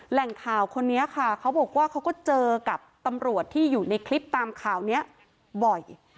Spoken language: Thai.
แหล่งข่าวคนนี้ค่ะเขาบอกว่าเขาก็เจอกับตำรวจที่อยู่ในคลิปตามข่าวนี้บ่อย